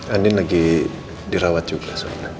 ini lagi dirawat juga soalnya